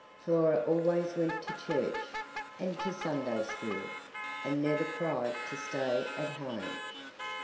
Flora always went to church, and to the Sunday school, and never cried to stay at home.